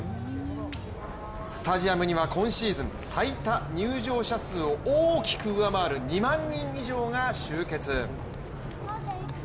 スタジアムには今シーズン最多入場者数を大きく上回る２万人以上が集結。